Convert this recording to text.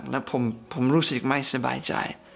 แล้วผมรู้สึกไม่สบายใจ